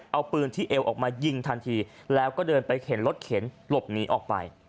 เอาปืนที่เอวออกมายิงทันทีแล้วก็เดินไปเข็นรถเข็นหลบหนีออกไป